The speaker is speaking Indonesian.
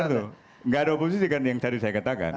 tidak ada oposisi kan yang tadi saya katakan